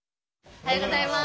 おはようございます